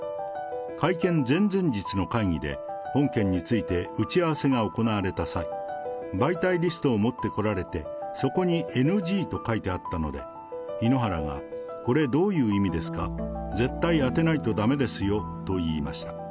会見前々日の会議で本件について打ち合わせが行われた際、媒体リストを持ってこられて、そこにＮＧと書いてあったので、井ノ原が、これどういう意味ですか、絶対当てないとだめですよと言いました。